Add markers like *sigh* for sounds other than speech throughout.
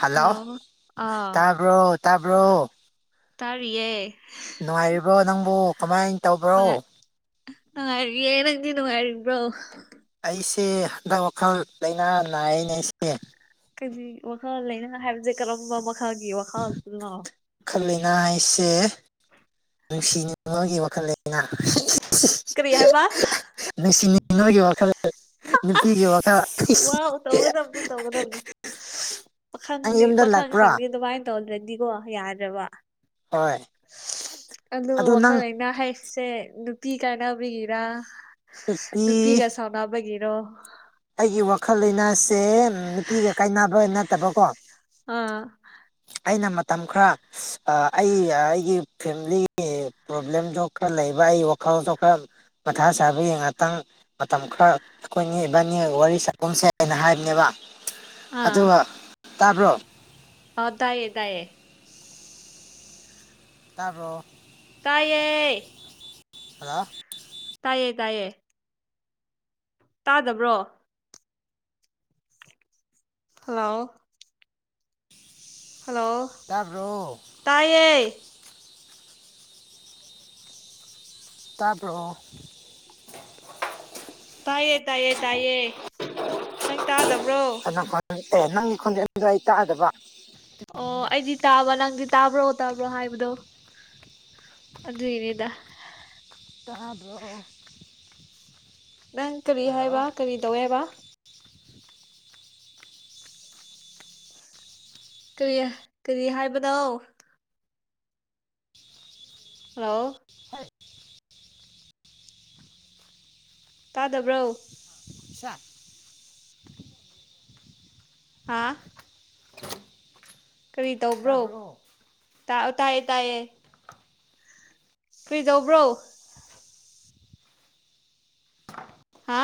hello ꯇꯥꯕ꯭ꯔꯣ ꯇꯥꯕ꯭ꯔꯣ ꯇꯥꯔꯤꯌꯦ ꯅꯨꯡꯉꯥꯏꯔꯤꯕ꯭ꯔꯣ ꯅꯪꯕꯨ ꯀꯃꯥꯏꯅ ꯇꯧꯕ꯭ꯔꯣ ꯅꯨꯡꯉꯥꯏ ꯅꯨꯡꯉꯥꯏꯔꯤꯌꯦ ꯅꯪꯗꯤ ꯅꯨꯡꯉꯥꯏꯔꯤꯕ꯭ꯔꯣ ꯑꯩꯁꯦ ꯍꯟꯗꯛ ꯋꯥꯈꯜ ꯂꯥꯏꯅꯥ ꯅꯥꯏꯌꯦꯅꯦ ꯑꯩꯁꯦ ꯀ ꯋꯥꯈꯜ ꯂꯩꯅꯥ ꯍꯥꯏꯕꯁꯦ ꯀꯔꯝꯕ ꯃꯈꯜꯒꯤ ꯋꯥꯈꯜꯗꯨꯅꯣ ꯈꯂꯅꯥ ꯍꯥꯏꯁꯦ ꯅꯨꯡꯁꯤꯅꯉꯉꯒꯤ ꯋꯥꯈꯜ ꯂꯩꯅ ꯀꯔꯤ ꯍꯥꯏꯕ ꯅꯨꯡꯁꯤꯅ ꯅꯣꯏꯒꯤ ꯋꯥꯈꯜ ꯅꯨꯄꯤꯒꯤ ꯋꯥꯈꯜ ꯑꯁ ꯋꯥꯎ ꯅꯪ ꯄꯥꯪꯗꯤ ꯌꯨꯝꯗ ꯂꯥꯛꯄ꯭ꯔꯣ ꯄꯥꯈꯪꯁꯤꯡꯗꯤ ꯑꯗꯨꯃꯥꯏꯅ ꯇꯧꯗ꯭ꯔꯗꯤꯀꯣ ꯌꯥꯗ꯭ꯔꯕ ꯍꯣꯏ ꯑꯗꯨ ꯋꯥꯈꯜ ꯑꯩꯅ ꯍꯥꯏ ꯁꯦ ꯅꯨꯄꯤ ꯀꯥꯏꯅꯕꯒꯤꯔ ꯅꯨꯄꯤ ꯅꯨꯄꯤꯒ ꯁꯥꯎꯅꯕꯒꯤꯔꯣ ꯑꯩꯒꯤ ꯋꯥꯈꯜ ꯂꯩꯥꯏꯅꯥꯁꯦ ꯅꯨꯄꯤꯒ ꯀꯥꯏꯅꯕ ꯅꯠꯇꯕꯀꯣ ꯎꯝ ꯑꯩꯅ ꯃꯇꯝ ꯈꯔ ꯑꯩ ꯑꯩꯒꯤ ꯐꯦꯃꯤꯂꯤꯒꯤ ꯄ꯭ꯔꯣꯕ꯭ꯂꯦꯝꯗꯣ ꯈꯔ ꯂꯩꯕ ꯑꯩ ꯋꯥꯈꯜꯗꯣ ꯈꯔ ꯃꯊꯥ ꯆꯥꯕ ꯌꯦ ꯉꯥꯛꯇꯪ ꯃꯇꯝ ꯈꯔ ꯑꯩꯈꯣꯏꯒꯤ ꯕꯥꯅꯤ ꯋꯥꯔꯤ ꯆꯥꯛꯈꯨꯝꯁꯦꯅ ꯍꯥꯏꯕꯅꯦꯕ ꯑꯥ ꯑꯗꯨꯒ ꯇꯥꯕ꯭ꯔꯣ ꯑ ꯇꯌꯦ ꯇꯌꯦ ꯇꯥꯔꯕꯣ ꯇꯌꯦ ꯍꯜꯂꯣ ꯇꯥꯏꯌꯦ ꯇꯥꯏꯌꯦ ꯇꯥꯗꯕ꯭ꯔꯣ ꯍꯜꯂꯣ ꯍꯜꯂꯣ ꯇꯥꯕ꯭ꯔꯣ ꯇꯥꯏꯌꯦ ꯇꯥꯔꯕ ꯇꯥꯏꯌꯦ ꯇꯥꯏꯌꯦ ꯇꯥꯏꯌꯦ ꯅꯪ ꯇꯥꯗꯕ꯭ꯔꯣ ꯅꯪ ꯈꯣꯟ ꯑꯦ ꯅꯪꯒꯤ ꯈꯣꯟꯖꯦꯜꯗ ꯑꯩ ꯇꯥꯛꯑꯗꯕ ꯑꯣ ꯑꯩꯗꯤ ꯇꯥꯕ ꯅꯪꯗꯤ ꯇꯥꯕ꯭ꯔꯣ ꯇꯥꯕ꯭ꯔꯣ ꯍꯥꯏꯕꯗꯣ *inaudible* ꯑꯗꯨꯏꯅꯤꯗ ꯇꯥꯕꯔꯣ ꯅꯪ ꯀꯔꯤ ꯍꯜꯂꯣ ꯍꯥꯏꯕ ꯀꯔꯤ ꯇꯧꯏꯦ ꯍꯥꯏꯕ *unintelligible* ꯀꯔꯤ ꯀꯔꯤ ꯍꯥꯏꯕꯗꯣ ꯍꯂꯣ ꯍ ꯇꯥꯗꯕ꯭ꯔꯣ ꯁꯠ ꯍꯥꯥ ꯑ ꯀꯔꯤ ꯇꯧꯕ꯭ꯔꯣ ꯇꯥꯏꯌꯦ ꯇꯥꯏꯌꯦ ꯀꯩꯗꯧꯕ꯭ꯔꯣ ꯍꯥ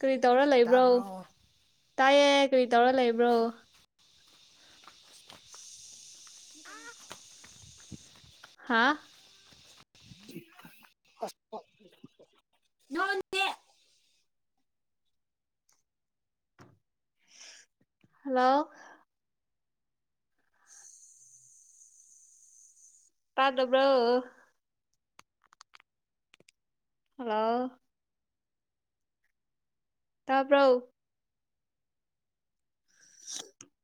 ꯀꯔꯤ ꯇꯧꯔ ꯂꯩꯕ꯭ꯔꯣ ꯇꯥꯕ꯭ꯔꯣ ꯇꯥꯏꯌꯦ ꯀꯔꯤ ꯇꯧꯔ ꯂꯩꯕ꯭ꯔꯣ ꯑ ꯍꯥꯥ ꯅꯣꯦ ꯍꯜꯂꯣ ꯄꯥꯇꯕ꯭ꯔꯣ ꯍꯜꯂꯣ ꯇꯄ꯭ꯔꯣ *unintelligible*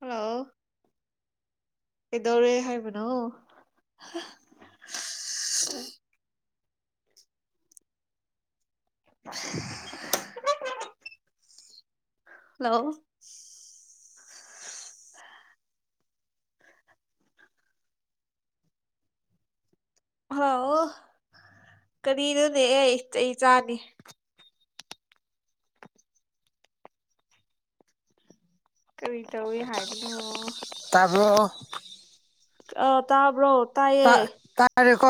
ꯍꯜꯂꯣ ꯀꯩꯗꯧꯔꯦ ꯍꯥꯏꯕꯅꯣ *unintelligible* ꯍꯜꯂꯣ ꯍꯥꯎ ꯀꯔꯤꯅꯣꯅꯦ ꯍ‌ꯦ ꯆꯩ ꯆꯥꯅꯤ ꯀꯔꯤ ꯇꯧꯋꯤ ꯍꯥꯏꯕꯅꯣ ꯇꯥꯕ꯭ꯔꯣ ꯑꯥ ꯇꯥꯕ꯭ꯔꯣ ꯇꯥꯏꯌꯦ ꯇꯥꯔꯦꯀꯣ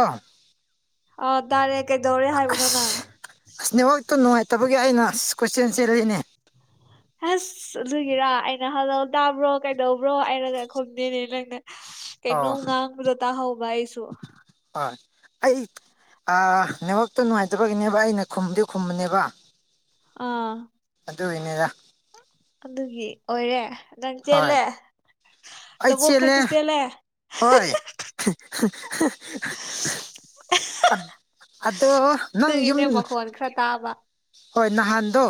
ꯑꯥ ꯇꯥꯔꯦ ꯀꯩꯗꯧꯔꯦ ꯍꯥꯏꯕꯅꯣ ꯅꯪ ꯑꯁꯅꯦꯋꯥꯛꯇ ꯅꯨꯡꯉꯥꯏꯇꯕꯒꯤ ꯑꯩꯅ ꯑꯁ ꯀꯣꯏꯆ‌ꯦꯟ ꯆꯦꯜꯂꯤꯅꯦ ꯍꯁ ꯑꯗꯨꯒꯤꯔꯥ ꯑꯩꯅ ꯍꯜꯂꯧ ꯇꯥꯕ꯭ꯔꯣ ꯀꯩꯗꯧꯕ꯭ꯔꯣ ꯍꯥꯏꯔꯒ ꯈꯨꯝꯗꯦꯅꯦ ꯅꯪꯅ ꯑꯧ ꯀꯩꯅꫭꯝ ꯉꯥꯡꯕꯗꫭ ꯇꯍꯧꯚꯥ‌ ꯑꯩꯁꯨꯨ ꯍꯣꯏ ꯑꯩ ꯑꯥ ꯅꯦꯠꯋꯥꯛꯇꯨ ꯅꯨꯡꯉꯥꯏꯇꯕꯒꯤꯅꯦꯕ ꯑꯩꯅ ꯈꯨꯝꯗꯤ ꯈꯨꯝꯕꯅꯦꯕ ꯑꯥ ꯑꯗꯨꯒꯤꯅꯤꯗ ꯑꯗꯨꯒꯤ ꯑꯣꯏꯔꯦ ꯅꯪ ꯍꯣꯏ ꯆꯦꯜꯂꯦ ꯅꯕꯣꯛꯈꯣꯏꯗ ꯆꯦꯜꯂꯦ *unintelligible* ꯑꯗꯣ ꯅꯪ ꯌꯨꯝ ꯑꯗꯨꯒꯤꯅꯦ ꯃꯈꯣꯟ ꯈꯔ ꯇꯥꯕ ꯍꯣꯏ ꯅꯍꯥꯟꯗꯣ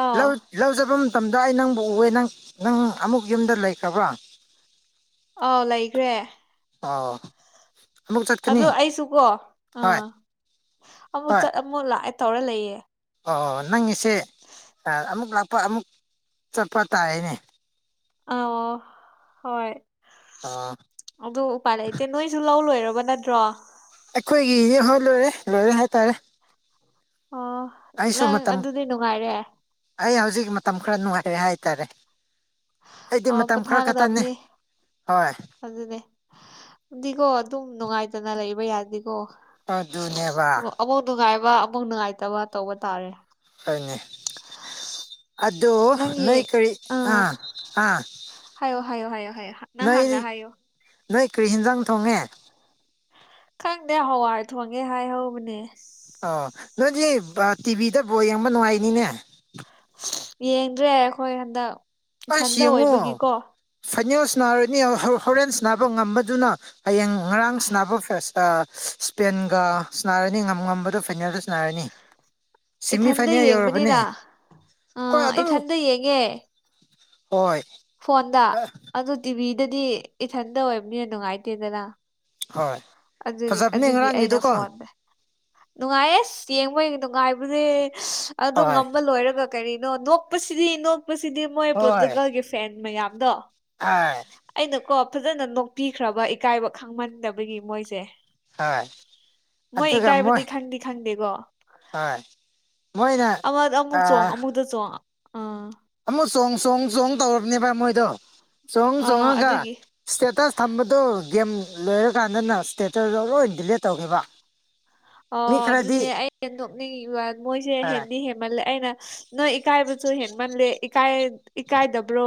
ꯑꯥꯎ ꯂꯧ ꯂꯧ ꯆꯠꯕ ꯃꯇꯝꯗ ꯑꯩ ꯅꯪꯕꯨ ꯎꯕꯅꯤ ꯅꯪ ꯅꯪ ꯑꯃꯨꯛ ꯌꯨꯝꯗ ꯂꯩꯈ꯭ꯔꯥꯕ꯭ꯔꯥ ꯑꯥꯎ ꯂꯩꯈ꯭ꯔꯦ ꯑꯣ ꯑꯃꯨꯛ ꯆꯠꯀꯅꯤ ꯑꯗꯣ ꯑꯩꯁꯨꯀꯣ ꯍꯣꯏ ꯑꯥ ꯑꯃꯨꯛ ꯍꯣꯏ ꯆꯠ ꯑꯃꯨꯛ ꯂꯥꯛꯑꯦ ꯇꯧꯔ ꯂꯩꯌꯦ ꯑꯣ ꯅꯪꯒꯤꯁꯦ ꯑꯃꯨꯛ ꯂꯥꯛꯄ ꯑꯃꯨꯛ ꯆꯠꯄ ꯇꯥꯔꯦꯅꯦ ꯑ ꯍꯣꯏ ꯑꯥ ꯑꯗꯨ ꯎꯄꯥꯏ ꯂꯩꯇꯦ ꯅꯣꯏꯁꯨ ꯂꯧ ꯂꯣꯏꯔꯕ ꯅꯠꯇ꯭ꯔꯣ ꯑꯩꯈꯣꯏꯒꯤꯗꯤ ꯍꯣꯏ ꯂꯣꯏꯔꯦ ꯂꯣꯏꯔꯦ ꯍꯥꯏꯇꯥꯔꯦ ꯑꯣ ꯑꯩꯁꯨ ꯅꯪ ꯃꯇꯝ ꯑꯗꯨꯗꯤ ꯅꯨꯡꯉꯥꯏꯔꯦ ꯑꯩ ꯍꯧꯖꯤꯛ ꯃꯇꯝ ꯈꯔ ꯅꯨꯡꯉꯥꯏꯔꯦ ꯍꯥꯏꯇꯥꯔꯦ ꯑꯩꯗꯤ ꯑꯣ ꯃꯇꯝ ꯈꯔ ꯈꯛꯇꯅꯤ ꯄꯣꯊꯥꯒꯗꯕꯅꯤ ꯍꯣꯏ ꯑꯗꯨꯅꯦ ꯑꯗꯨꯗꯤꯀꯣ ꯑꯗꯨꯝ ꯅꯨꯡꯉꯥꯏꯇꯅ ꯂꯩꯕ ꯌꯥꯗꯦꯀꯣ ꯑꯗꯨꯅꯦꯕ ꯑꯃꯨꯛ ꯅꯨꯡꯉꯥꯏꯕ ꯑꯃꯨꯛ ꯅꯨꯡꯉꯥꯏꯇꯕ ꯇꯧꯕ ꯇꯥꯔꯦ ꯑꯗꯨꯅꯦ ꯑꯗꯨ ꯅꯪꯒꯤ ꯅꫭꯏ ꯀꯔꯤ ꯑꯥ ꯑꯥ ꯍꯥꯏꯌꯨ ꯍꯥꯏꯌꯨ ꯍꯥꯏꯌꯨ ꯍꯥꯏꯌꯨ ꯅꯪ ꯅꯣꯏ ꯍꯥꯟꯅ ꯍꯥꯏꯌꯨ ꯅꯣꯏ ꯀꯔꯤ ꯍꯦꯟꯖꯥꯡ ꯊꯣꯡꯉꯦ ꯈꯪꯗꯦ ꯍꯋꯥꯏ ꯊꯣꯡꯉꯦ ꯍꯥꯏꯍꯧꯕꯅꯦ ꯑꯣ ꯅꯣꯏꯗꯤ ꯇꯤꯚꯤꯗ ꯕꯣꯜ ꯌꯦꯡꯕ ꯅꯨꯡꯉꯥꯏꯅꯤꯅꯦ ꯌꯦꯡꯗ꯭ꯔꯦ ꯑꯩꯈꯣꯏ ꯍꯟꯗꯛ ꯏꯊꯟꯗ ꯑꯣꯏꯕꯒꯤꯀꯣ ꯐꯥꯏꯅ‌ꯦꯜꯁ ꯁꯅꯥꯔꯅꯤ ꯍꯣꯔꯦꯟ ꯁꯥꯟꯅꯕ ꯉꯝꯕꯗꯨꯅ ꯍꯌꯦꯡ ꯉꯔꯥꯡ ꯁꯅꯕ ꯐꯦꯁ ꯏꯁꯄꯦꯟꯒ ꯁꯥꯟꯅꯔꯅꯤ ꯉ ꯉꯝꯕꯗ ꯐꯥꯏꯅꯦꯜꯗ ꯁꯥꯟꯅꯔꯅꯤ ꯏꯊꯟꯗ ꯌꯦꯡꯕꯅꯤꯅ ꯑ ꯍꯣꯏ ꯑꯗꯨꯝ ꯏꯊꯟꯗ ꯌꯦꯡꯉꯦ ꯍꯣꯏ ꯐꯣꯟꯗ ꯑꯗꯨ ꯇꯤꯚꯤꯗꯗꯤ ꯏꯊꯟꯇ ꯑꫭꯏꯕꯅꯤꯅ ꯅꯨꯡꯉꯥꯏꯇꯦꯗꯅ ꯍꯣꯏ ꯑꯗꯨꯒꯤ ꯐꯖꯕꯅꯦ ꯑꯗꯨꯒꯤ ꯑꯩꯅ ꯉꯔꯥꯡꯒꯤꯗꯨꯀꯣ ꯐꯣꯟꯗ ꯅꯨꯡꯉꯥꯏꯌꯦꯁ ꯌꯦꯡꯕ ꯅꯨꯡꯉꯥꯏꯕꯗꯤ ꯑꯗꯨ ꯍꯣꯏ ꯉꯝꯕ ꯂꯣꯏꯔꯒ ꯀꯔꯤꯅꯣ ꯅꯣꯛꯄꯁꯤꯗꯤ ꯅꯣꯛꯄꯁꯤꯗꯤ ꯃꯣꯏ ꯄ꯭ꯔꯣꯔꯇꯨꯒꯥꯜꯒꯤ ꯐꯦꯟ ꯃꯌꯥꯝꯗꯣ ꯑꯥ ꯑꯩꯅ ꯀꯣ ꯐꯖꯅ ꯅꯣꯛꯄꯤꯈ꯭ꯔꯕ ꯏꯀꯥꯏꯕ ꯈꯪꯃꯟꯗꯕꯒꯤ ꯃꯣꯏꯁꯦ ꯍꯣꯏ ꯃꯣꯏ ꯏꯀꯥꯏꯕꯗꯤ ꯈꯪꯗꯤ ꯈꯪꯗꯦꯀꯣ ꯍꯣꯏ ꯃꯣꯏꯅ ꯑꯃꯗ ꯑꯃꯨꯛ ꯑ ꯆꯣꯡ ꯑꯃꯨꯛꯇ ꯆꯣꯡ ꯑꯥ ꯑꯃꯨꯛ ꯆꯣꯡ ꯆꯣꯡ ꯆꯣꯡ ꯇꯧꯔꯕꯅꯦꯕ ꯃꯣꯏꯗꯣ ꯆꯣꯡ ꯑꯥ ꯆꯣꯡꯉꯒ ꯑꯗꯨꯒꯤ ꯏꯁꯇꯦꯇꯁ ꯊꯝꯕꯗꯨꯣ ꯒꯦꯝ ꯂꯣꯏꯔꯀꯥꯟꯗꯅ ꯏꯁꯇꯦꯇꯗꯣ ꯂꯣꯏ ꯗꯤꯂꯦꯠ ꯇꯧꯈꯤꯕ ꯑꯣ ꯃꯤ ꯈꯔꯗꯤ ꯑꯗꯨꯅꯦ ꯑꯩ ꯅꯣꯛꯅꯤꯡꯉꯤꯕ ꯃꯣꯏꯁꯦ ꯍꯣꯏ ꯍꯦꯟꯗꯤ ꯍꯦꯟꯃꯜꯂꯦ ꯑꯩꯅ ꯅꯣꯏ ꯏꯀꯥꯏꯕꯁꯨ ꯍꯦꯟꯃꯜꯂꯦ ꯏꯀꯥꯏ ꯏꯀꯥꯏꯗꯕ꯭ꯔꯣ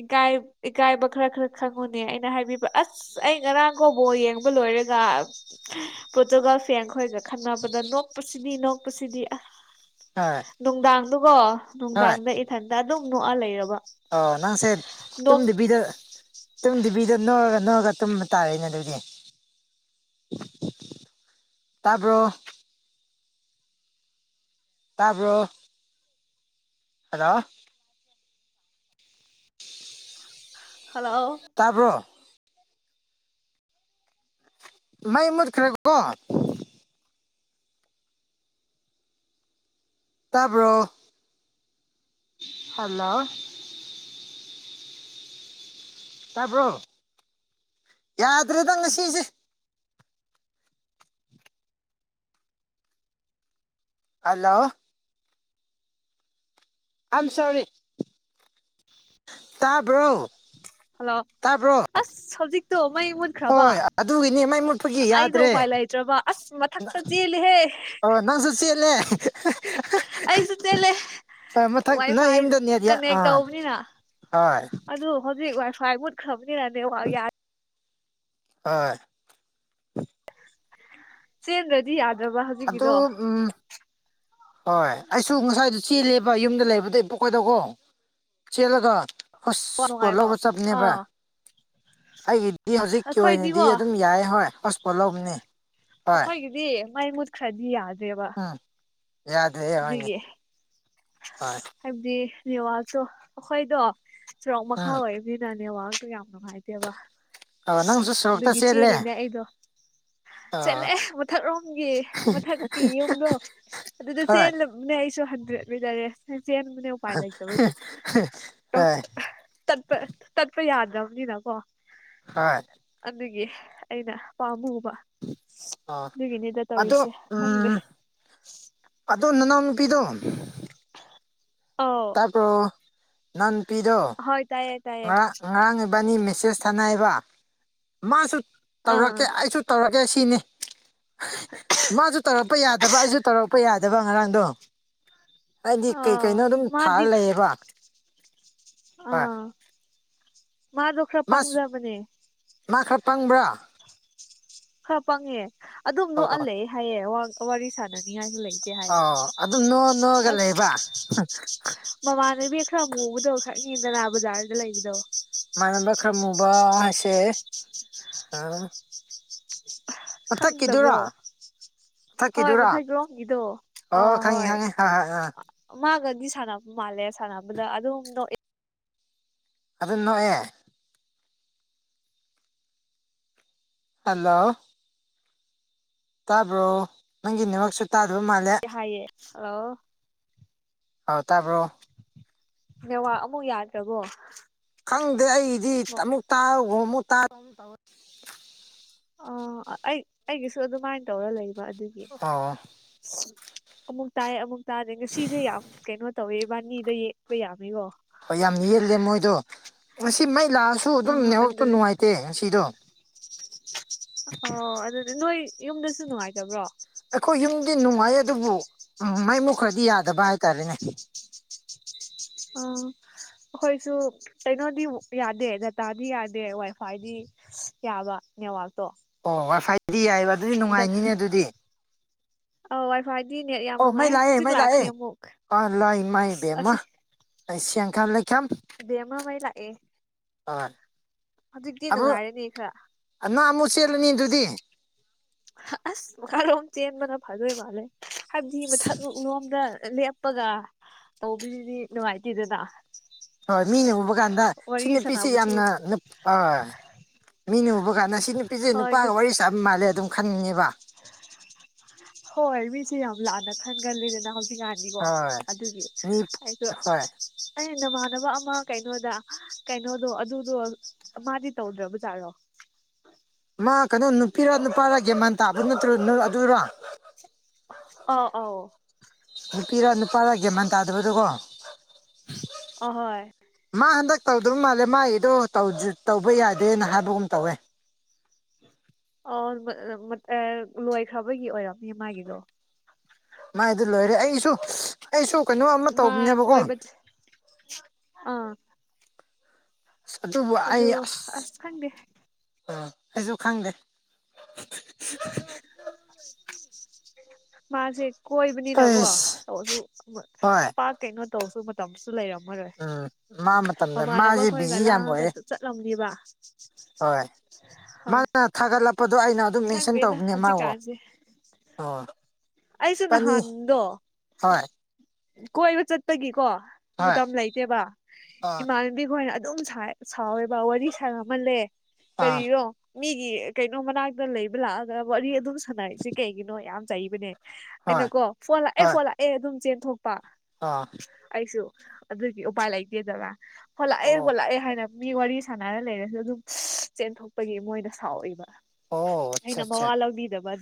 ꯏꯀꯥꯏ ꯏꯀꯥꯏꯕ ꯈꯔ ꯈꯔ ꯈꯪꯉꯨꯅꯦ ꯑꯩꯅ ꯍꯥꯏꯕꯤꯕ ꯑꯁ ꯑꯩ ꯉꯔꯥꯡ ꯀꯣ ꯕꯣ ꯌꯦꯡꯕ ꯂꯣꯏꯔꯒ ꯄꯣꯔꯇꯨꯒꯥꯜ ꯐꯦꯡꯈꯣꯏꯒ ꯈꯟꯅꯕꯗ ꯅꯣꯛꯄꯁꯤꯗꯤ ꯅꯣꯛꯄꯁꯤꯗꯤ ꯑꯥ ꯍꯣꯏ ꯅꯨꯡꯗꯥꯡꯗꯨꯒꯣ ꯍꯣꯏ ꯅꯨꯡꯗꯥꯡꯗ ꯏꯊꯟꯇ ꯑꯗꯨꯝ ꯅꯣꯛꯑ ꯂꯩꯔꯕ ꯑꯣ ꯅꯪꯁꯦ ꯅꯣꯛ ꯇꯨꯝꯗꯤꯕꯤꯗ ꯇꯨꯝꯗꯕꯤꯗ ꯅꯣꯛꯑꯒ ꯅꯣꯛꯑꯒ ꯇꯨꯝꯕ ꯇꯥꯔꯦꯅꯦ ꯑꯗꯨꯗꯤ ꯇꯕ꯭ꯔꯣ ꯇꯥꯕ꯭ꯔꯣ ꯍꯔꯣ ꯍꯜꯂꯣ ꯇꯥꯕ꯭ꯔꯣ ꯃꯩ ꯃꯨꯠꯈ꯭ꯔꯦꯀꯣ ꯇꯥꯕ꯭ꯔꯣ ꯍꯜꯂꯣ ꯇꯥꯕ꯭ꯔꯣ ꯌꯥꯗ꯭ꯔꯦꯗ ꯉꯁꯤꯁꯦ ꯍꯜꯂꯣ ꯑꯝ ꯁꯣꯔꯤ ꯇꯥꯕ꯭ꯔꯣ ꯍꯜꯂꯣ ꯇꯥꯕ꯭ꯔꯣ ꯑꯁ ꯍꯧꯖꯤꯛ ꯇꯣ ꯃꯩ ꯃꯨꯠꯈ꯭ꯔꯕ ꯍꯣꯏ ꯑꯗꯨꯒꯤꯅꯤ ꯃꯩ ꯃꯨꯠꯄꯒꯤ ꯑꯩꯗꯣ ꯌꯥꯗ꯭ꯔꯦ ꯎꯄꯥꯏ ꯂꯩꯇ꯭ꯔꯕ ꯑꯁ ꯃꯠ ꯊꯛꯇ ꯆꯦꯂꯤꯍꯦ ꯑꯣ ꯅꯪ ꯁꯨ ꯆꯦꯜꯂꯦ ꯑꯩꯁꯨ ꯆꯦꯜꯂꯦ ꯃꯊꯛ ꯅꯪ ꯋꯥꯏꯐꯥꯏ ꯌꯨꯝꯗ ꯅꯦꯠ ꯌꯥ ꯀꯟꯅꯦꯛ ꯑꯥ ꯇꯧꯕꯅꯤꯅ ꯍꯣꯏ ꯑꯗꯨ ꯍꯧꯖꯤꯛ ꯋꯥꯏꯐꯥꯏ ꯃꯨꯠꯈ꯭ꯔꯕꯅꯤꯅ ꯅꯦꯋꯥꯛ ꯌꯥ ꯍꯣꯏ ꯆꯦꯟꯗ꯭ꯔꯗꯤ ꯌꯥꯗ꯭ꯔꯕ ꯑꯗꯣ ꯍꯧꯖꯤꯛꯀꯤꯗꯣ ꯎꯝ ꯍꯣꯏ ꯑꯩꯁꯨ ꯉꯁꯥꯏꯗꯨ ꯆꯦꯜꯂꯦꯕ ꯌꯨꯝꯗ ꯂꯩꯕꯗꯩ ꯄꯣꯛꯀꯣꯏꯗ ꯀꯣ ꯆꯦꯜꯂꯒ ꯍꯁ ꯄꯣꯠ ꯅꯨꯡꯉꯥꯏꯕꯣ ꯂꯧꯕ ꯆꯞꯅꯦꯕꯥ ꯑꯥ ꯑꯩꯒꯤꯗꯤ ꯍꯧꯖꯤꯛꯀꯤ ꯑꯣꯏꯅꯗꯤ ꯑꯩꯈꯣꯏꯗꯤꯀꯣ ꯑꯗꯨꯝ ꯌꯥꯏ ꯍꯣꯏ ꯍꯣꯁꯄꯣꯠꯂꯧꯕꯟꯅꯤ ꯍꯣꯏ ꯔꯤ ꯃꯥꯏ ꯃꯨꯠꯈ꯭ꯔꯗꯤ ꯌꯥꯗꯦꯕ ꯍꯥ ꯌꯥ ꯑꯗꯨꯒꯤ ꯍꯥꯏꯕꯗꯤ ꯅꯤꯋꯥꯛꯇꯣ ꯑꯩꯈꯣꯏꯗꯣ ꯆꯣꯔꯣꯛ ꯃꯈꯥ ꯎꯝ ꯑꯣꯏꯕꯅꯤꯅ ꯅꯦꯠꯋꯥꯛꯇꯣ ꯌꯥꯝ ꯅꯨꯡꯉꯥꯏꯇꯦꯕ ꯑ ꯅꯪꯁꯨ ꯁꯣꯔꯣꯛꯇ ꯑꯗꯨꯒꯤ ꯆꯦꯜꯂꯦ ꯆꯦꯂꯤꯅꯦ ꯑꯩꯗꯣ ꯑ ꯆꯠꯂꯦ ꯃꯊꯛ ꯔꯣꯝꯒꯤ ꯃꯊꯛꯀꯤ ꯌꯨꯝꯗꯣ ꯑꯗꯨꯗ ꯍꯣꯏ ꯆꯦꯜꯂꯦ ꯅꯦ ꯑꯩꯁꯨ ꯍꯟꯗ꯭ꯔꯦꯠ ꯃꯤꯇꯔꯦꯖ ꯆꯦꯟꯕꯅꯦ ꯎꯄꯥꯏ ꯂꯩꯇꯕꯒꯤ ꯇꯧ ꯍꯣꯏ ꯇꯠꯄ ꯇꯠꯄ ꯌꯥꯗꯝꯅꯤꯅ ꯀꯣ ꯍꯣꯏ ꯑꯗꯨꯒꯤ ꯑꯩꯅ ꯄꯥꯝꯃꯨꯕ ꯑ ꯑꯗꯨꯒꯤꯅꯤꯗ ꯑꯗꯣ ꯇꯧꯔꯤꯁꯦ ꯈꯪꯗꯦ ꯎꯝ ꯑꯗꯣ ꯅꯅꯥꯎꯅꯨꯄꯤꯗꯣ ꯑꯧ ꯇꯥꯄ꯭ꯔꯣ ꯅꯅꯥꯟꯄꯤꯗꯣ ꯍꯣꯏ ꯇꯥꯏꯌꯦ ꯇꯥꯏꯌꯦ ꯉꯔꯥꯡ ꯉꯔꯥꯡ ꯏꯕꯥꯅꯤ ꯃꯦꯁꯦꯁ ꯊꯅꯏꯕ ꯃꯥꯁꯨ ꯑꯥ ꯇꯧꯔꯛꯀꯦ ꯑꯩꯁꯨ ꯇꯧꯔꯛꯀꯦ ꯁꯤꯅꯤ ꯃꯥꯁꯨ ꯇꯧꯔꯛꯄ ꯌꯥꯗꯕ ꯑꯩꯁꯨ ꯇꯧꯔꯛꯄ ꯌꯥꯗꯦ ꯐꯗꯕ ꯉꯔꯥꯡꯗꯣ ꯍꯥꯏꯗꯤ ꯀꯩ ꯑꯥ ꯀꯩꯅꯣ ꯑꯗꯨꯝ ꯃꯥꯗꯤ ꯊꯥꯔ ꯍ ꯃꯥ ꯗꯣ ꯈꯔ ꯄꯪꯖꯕꯅꯦ ꯉ ꯈꯔ ꯄꯪꯕ꯭ꯔꯥ ꯈꯔ ꯄꯪꯉꯦ ꯑꯗꯨꯝ ꯑꯣ ꯅꯣꯛꯍꯜꯂꯦ ꯍꯥꯏꯌꯦ ꯋꯥꯔꯤ ꯁꯥꯟꯅꯅꯤ ꯍꯥꯏꯅ ꯂꯩ ꯑꯣ ꯑꯗꯨꯝ ꯅꯣ ꯅꯣꯑꯒ ꯂꯩꯕ ꯃꯃꯥꯟꯅꯕꯤ ꯈꯔ ꯑꯃꯨꯕꯗꯧ ꯈꯔ ꯌꯦꯟꯗꯅꯥ ꯕꯖꯥꯔꯗ ꯂꯩꯕꯗꯣ ꯃꯥꯟꯅꯕ ꯈꯔ ꯃꯨꯕ ꯍꯥꯏꯁꯦ ꯑ ꯑꯠꯇ ꯀꯗꯨꯔꯥ ꯈꯪꯗꯕ꯭ꯔꯣ ꯍꯣꯏ ꯊꯀꯤꯗꯨꯔꯥ ꯃꯊꯛꯔꯣꯝꯒꯤꯗꯣ ꯑꯣ ꯑꯥ ꯈꯉꯤ ꯍꯣꯏ ꯈꯪꯉꯤ ꯑ ꯃꯥꯒꯗꯤ ꯁꯥꯟꯅꯕ ꯃꯥꯜꯂꯦ ꯁꯥꯟꯅꯕꯗ ꯑꯗꯨꯝꯗ ꯑꯗꯨꯗ ꯅꯦ ꯍꯜꯂꯣ ꯇꯥꯕ꯭ꯔꯣ ꯅꯪꯒꯤ ꯃꯛꯁꯨ ꯇꯥꯗꯕ ꯃꯥꯜꯂꯦ ꯍꯥꯏꯌꯦ ꯑꯣ ꯑꯧ ꯇꯥꯕ꯭ꯔꯣ ꯅꯦꯋꯥ ꯑꯃꯨꯛ ꯌꯥꯗ꯭ꯔꯕꯣ ꯈꯪꯗꯦ ꯑꯩꯗꯤ ꯑꯃꯨꯛ ꯇꯥꯔ ꯑꯃꯨꯛ ꯇꯔ ꯑ ꯑꯩ ꯑꯩꯒꯤꯁꯨ ꯑꯗꯨꯃꯥꯏꯅ ꯇꯧꯔ ꯂꯩꯕ ꯑꯗꯨꯅꯤ ꯑ ꯎ ꯑꯃꯨꯛ ꯇꯥꯏꯌꯦ ꯑꯃꯨꯛ ꯇꯥꯗꯦ ꯉꯁꯤꯁꯦ ꯌꯥꯝ ꯀꯩꯅꯣ ꯇꯧꯋꯦ ꯏꯕꯥꯅꯤꯗ ꯌꯦꯛꯄ ꯌꯥꯃꯤꯀꯣ ꯍꯣꯏ ꯌꯥꯝ ꯌꯦꯜꯂꯦ ꯃꯣꯏꯗꯣ ꯉꯁꯤ ꯃꯥꯏ ꯂꯥꯛꯑꯁꯤ ꯑ ꯑꯗꯨꯗꯅꯦ ꯑꯣ ꯑꯗꯨꯗꯤ ꯅꯣꯏ ꯌꯨꯝꯗꯁꯨ ꯅꯨꯡꯉꯥꯏꯇꯕ꯭ꯔꯣ ꯑꯩꯈꯣꯏ ꯌꯨꯝꯗꯤ ꯅꯨꯡꯉꯥꯏ ꯑꯗꯨꯕꯨ ꯃꯥꯏꯃꯨꯛ ꯈꯔꯗꯤ ꯌꯥꯗꯕ ꯍꯥꯏꯇꯥꯔꯦꯅꯦ ꯑ ꯍꯣꯏꯁꯨ ꯀꯩꯅꯣꯗꯤꯛ ꯌꯥꯗꯦ ꯗꯇꯥꯗꯤ ꯌꯥꯗꯦ ꯋꯥꯏꯐꯥꯏꯗꯤ ꯌꯥꯕ ꯅꯦꯠꯋꯥꯥꯛꯛꯇꯣ ꯑꯣ ꯋꯥꯏ ꯐꯥꯏꯗꯤ ꯌꯥꯏꯑꯕ ꯑꯗꯨꯗꯤ ꯅꯨꯡꯉꯥꯏꯅꯤꯅꯦ ꯑꯗꯨꯗꯤ ꯑ ꯋꯥꯏꯐꯥꯏꯗꯤ ꯅꯦꯠ ꯌꯥꯝ ꯑꯣ ꯃꯥꯏ ꯅꯨꯡꯉꯥꯏ ꯂꯥꯛꯑꯦ ꯍꯧꯖꯤꯛ ꯃꯥꯏ ꯂꯥꯛꯈ꯭ꯔꯦ ꯂꯑꯦ ꯑꯃꯨꯛ ꯑ ꯂ ꯑꯁ ꯃꯥꯕ ꯑꯁꯤ ꯑꯩꯁꯤꯌꯥꯪ ꯈꯥꯝ ꯂꯩꯈꯝ ꯗꯦꯝꯃ ꯃꯥꯏ ꯂꯥꯛꯑꯦ ꯑ ꯍꯧꯖꯤꯛꯇꯤ ꯅꯨꯡꯉꯥꯏꯔꯅꯤ ꯈꯔ ꯅꯪ ꯑꯃꯨꯛ ꯆꯦꯜꯂꯅꯤ ꯑꯗꯨꯗꯤ ꯑꯁ ꯃꯈꯥꯔꯣꯝ ꯆꯦꯟꯕꯅ ꯐꯥꯗꯣꯏ ꯃꯥꯜꯂꯦ ꯍꯥꯏꯕꯗꯤ ꯃꯊꯛꯨꯛ ꯂꯣꯝꯗ ꯂꯦꯞꯄꯒ ꯇꯧꯕꯤꯗꯨꯗꯤ ꯅꯨꯡꯉꯥꯏꯇꯦꯗꯅ ꯍꯣꯏ ꯃꯤꯅ ꯎꯕ ꯀꯥꯟꯗ ꯁꯤ ꯋꯥꯔꯤ ꯅꯨꯄꯤꯁꯤ ꯁꯥꯟꯅꯕꯁꯨ ꯌꯥꯝꯅ ꯑ ꯃꯤꯅ ꯎꯕ ꯀꯥꯟꯗ ꯁꯤ ꯅꯨꯄꯤꯁꯦ ꯍꯣꯏ ꯅꯨꯄꯥꯒ ꯋꯥꯔꯤ ꯆꯥꯕ ꯃꯥꯜꯂꯦ ꯑꯗꯨꯝ ꯈꯟꯅꯦꯕ *unintelligible* ꯍꯣꯏ ꯃꯤꯁꯦ ꯌꯥꯝ ꯂꯥꯟꯅ ꯈꯟꯒꯜꯂꯤꯗꯅ ꯍꯧꯖꯤꯛ ꯉꯥꯟ ꯅꯤꯀꯣ ꯍꯣꯏ ꯑꯗꯨꯒꯤ ꯃꯤ ꯑꯩꯁꯨ ꯍꯣꯏ ꯑꯩ ꯅꯃꯥꯟꯅꯕ ꯑꯃ ꯀꯩꯅꯣꯗ ꯀꯩꯅꯣꯗꯣ ꯑꯗꯨꯗꯣ ꯃꯥꯗꯤ ꯇꯧꯗ꯭ꯔꯕꯖꯥꯠꯔꯣ ꯃꯥ ꯀꯩꯅꯣ ꯅꯨꯄꯤꯔ ꯅꯨꯄꯥꯔ ꯒꯦꯃꯟ ꯇꯥꯕꯗꯨ ꯅꯠꯇ꯭ꯔꯣ ꯑꯗꯨꯔꯣ ꯑ ꯑꯥꯎ ꯅꯨꯄꯤꯔ ꯅꯨꯄꯥꯔ ꯒꯌꯥꯃꯟ ꯇꯥꯗꯕꯗꯨꯀꯣ ꯑꯍꯣꯏ ꯃꯥ ꯍꯟꯗꯛ ꯇꯧꯗꯕ ꯃꯥꯜꯂꯦ ꯃꯥꯒꯤꯗꯣ ꯇꯧꯕ ꯌꯥꯗꯦꯅ ꯍꯥꯏꯕꯒꯨꯝ ꯇꯧꯋꯦ ꯑꯣ ꯂꯣꯏꯈ꯭ꯔꯕꯒꯤ ꯑꯣꯏꯔꯝ ꯃꯤ ꯃꯥꯒꯤꯗꯣ ꯃꯥꯏꯗꯨ ꯂꯣꯏꯔꯦ ꯑꯩꯁꯨ ꯑꯩꯁꯨ ꯀꯩꯅꯣ ꯑꯃ ꯃꯥ ꯇꯧꯕꯅꯦꯕꯀꯣ ꯀꯣꯏꯕ ꯑꯥ ꯑꯁ ꯑꯗꯨꯕꯨ ꯑꯗꯨ ꯑꯩ ꯑꯁ ꯑ ꯑꯩꯁꯨ ꯈꯪꯗꯦ ꯃꯥꯁꯦ ꯀꯣꯏꯕꯅꯤꯅꯀꯣ ꯑꯩꯁ ꯇꯁꯨ ꯍꯣꯏ ꯀꯩꯅꯣ ꯇꯧꯁꯨ ꯃꯇꯝꯁꯨ ꯂꯩꯔꯝꯃꯔꯣꯏ ꯎꯝ ꯃꯥ ꯃꯇꯝꯗ ꯃꯃꯥꯟꯅꯕ ꯃꯥꯁꯦ ꯈꯣꯏꯒ ꯕꯤꯖꯤ ꯌꯥꯝ ꯂꯥꯡꯉꯒ ꯑꯣꯏꯔꯦ ꯆꯠꯂꯝꯂꯤꯕ ꯍꯣꯏ ꯃꯥꯅ ꯊꯥꯒꯠꯂꯛꯄꯗꯣ ꯑꯩꯅ ꯑꯗꯨꯝ ꯃꯦꯟꯁꯟ ꯈꯪꯗ꯭ꯔꯦꯗ ꯇꯧꯕꯅꯦ ꯃꯥꯋꯣ ꯍꯧꯖꯤꯛꯀꯥꯟꯁꯦ ꯑꯣ ꯑꯩꯁꯨ ꯅꯍꯥꯟꯗꯣ ꯍꯣꯏ ꯀꯣꯏꯕ ꯆꯠꯄꯒꯤꯀꯣ ꯍꯣꯏ ꯃꯇꯝ ꯂꯩꯇꯦꯕ ꯑꯥ ꯏꯃꯥꯟꯅꯕꯤ ꯈꯣꯏꯅ ꯑꯗꯨꯝ ꯁꯥꯎꯋꯦꯕ ꯋꯥꯔꯤ ꯁ ꯉꯝꯍꯜꯂꯦ ꯑꯥ ꯀꯔꯤꯔꯣ ꯃꯤꯒꯤ ꯀꯩꯅꯣ ꯃꯅꯥꯛꯇ ꯂꯩꯕ ꯂꯥꯛꯑꯒ ꯋꯥꯔꯤ ꯑꯗꯨꯝ ꯁꯥꯟꯅꯔꯤꯁꯤꯦ ꯀꯩꯒꯤꯅꯣ ꯌꯥꯝ ꯆꯩꯕꯅꯦ ꯀꯩꯅ ꯍꯣꯏ ꯀꯣ ꯐꯣꯟ ꯂꯥꯛꯑꯦ ꯍꯣꯏ ꯐꯣꯟ ꯂꯥꯛꯑꯦ ꯑꯗꯨꯝ ꯆꯦꯟꯊꯣꯛꯄ ꯑꯥ ꯑꯩꯁꯨ ꯑꯗꯨꯒꯤ ꯎꯄꯥꯏ ꯂꯩꯇꯦꯗꯕ ꯍꯣꯜꯂꯛꯑꯦ ꯑꯣ ꯍꯣꯜꯂꯛꯑꯦ ꯍꯥꯏꯅ ꯃꯤ ꯋꯥꯔꯤ ꯁꯥꯟꯅꯔ ꯂꯩꯔꯁꯨ ꯑꯗꯨꯝ ꯆꯦꯟꯊꯣꯛꯄꯒꯤ ꯃꯣꯏꯗ ꯁꯥꯎꯏꯕ ꯑꯣ ꯑꯠꯆꯥ ꯑꯩꯅ ꯑꯠꯆꯥ ꯃꯋꯥ ꯂꯧꯕꯤꯗꯕ ꯑꯗꯨ